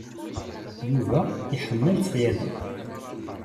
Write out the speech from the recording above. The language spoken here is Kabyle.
Yuba iḥemmel ṣyada.